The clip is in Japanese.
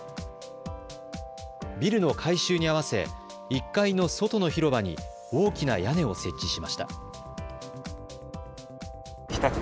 ビルの改修に合わせ１階の外の広場に大きな屋根を設置しました。